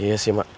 iya sih ma